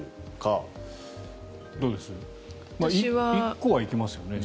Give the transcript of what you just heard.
１個は行きますよね？